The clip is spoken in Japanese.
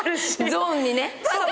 ゾーンにね。